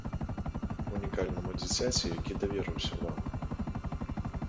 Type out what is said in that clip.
Унікальнаму дзіцяці, які даверыўся вам.